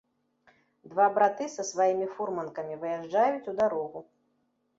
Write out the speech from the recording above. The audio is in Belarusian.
Два браты са сваімі фурманкамі выязджаюць у дарогу.